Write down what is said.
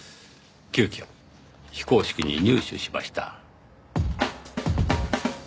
急きょ非公式に入手しました。